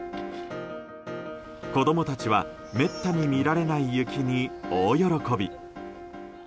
子供たちはめったに見られない雪に大喜び。